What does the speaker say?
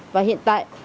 và hiện tại